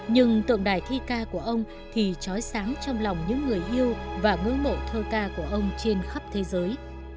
nhưng tượng đài thi ca của ông thì trói sáng trong lòng những người yêu và ngưỡng mộ thơ ca của ông trên khắp thế giới